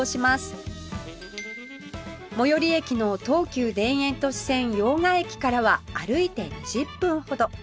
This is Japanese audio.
最寄り駅の東急田園都市線用賀駅からは歩いて２０分ほど